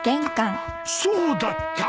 そうだった！